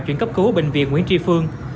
chuyển cấp cứu ở bệnh viện nguyễn tri phương